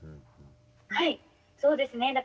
はいそうですね。